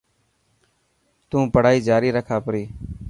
تون پڙهائي جاري رک آپري.